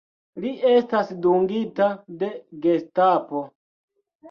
Li estas dungita de Gestapo.